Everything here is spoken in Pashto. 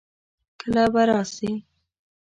کله به راسې؟